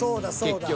結局。